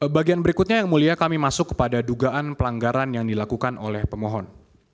bagian berikutnya yang mulia kami masuk kepada dugaan pelanggaran yang dilakukan oleh pemohon